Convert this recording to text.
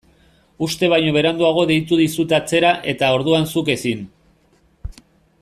Uste baino beranduago deitu dizut atzera eta orduan zuk ezin.